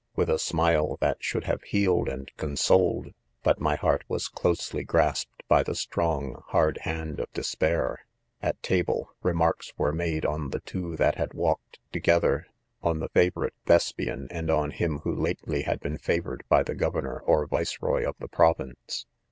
with a smile that should have^ healed and . cons61ed,.but my heart was closely ! grasped by the strong hard hand of despair. ■'■',•' 'o «•/''■ *Jk% table, remarks were made on/_|h1e two that had walked together j on the favorite Thes pian, and on him. who lately had been favored by the governor or viceroy, of the provin ce.